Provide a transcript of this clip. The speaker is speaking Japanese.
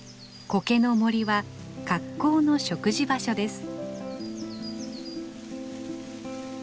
コケの森は格好の食事場所です。